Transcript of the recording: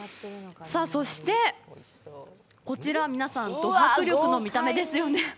そして、こちら、皆さん、ド迫力の見た目ですよね。